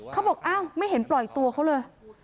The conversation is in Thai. เขาบอกอ้าวไม่เห็นปล่อยตัวเขาเลย